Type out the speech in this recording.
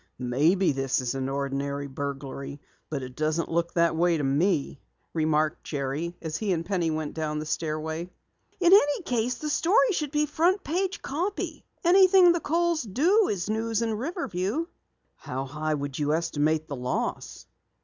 "Maybe this is an ordinary burglary, but it doesn't look that way to me," remarked Jerry as he and Penny went down the stairway. "In any case, the story should be front page copy. Anything the Kohls do is news in Riverview." "How high would you estimate the loss?"